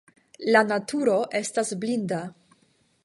La naturo estas blinda.